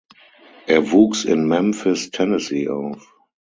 Er wuchs in Memphis, Tennessee auf.